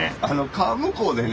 川向こうでね